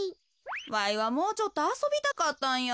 わいはもうちょっとあそびたかったんや。